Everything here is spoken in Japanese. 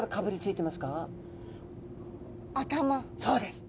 そうです。